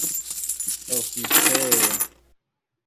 oficejo